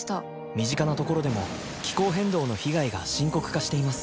身近な所でも気候変動の被害が深刻化しています